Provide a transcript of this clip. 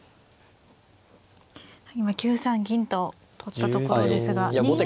今９三銀と取ったところですが２二の竜が。